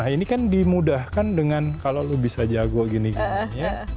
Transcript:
ini kan dimudahkan dengan kalau lo bisa jago gini gini